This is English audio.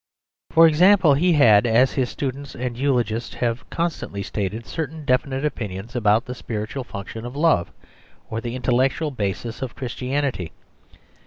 For example, he had, as his students and eulogists have constantly stated, certain definite opinions about the spiritual function of love, or the intellectual basis of Christianity.